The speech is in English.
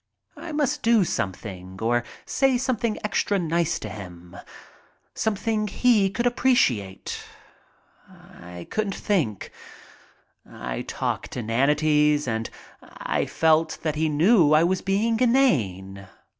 I must do or say something extra nice to him. Something he could appreciate. I couldn't think. I talked inanities and I felt that he knew I was being inane.